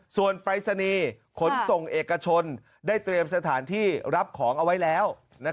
ส่วนปรายศนีย์ขนส่งเอกชนได้เตรียมสถานที่รับของเอาไว้แล้ว